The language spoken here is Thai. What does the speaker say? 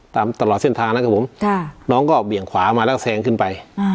ตลอดเส้นทางนะครับผมน้องก็เบี่ยงขวามาแล้วแซงขึ้นไป